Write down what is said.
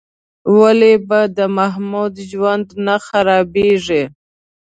ولې به د محمود ژوند نه خرابېږي؟